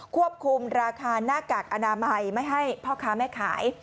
ควบคุมราคาหน้ากากอนามัยไม่ให้พ่อค้าแม่ขาย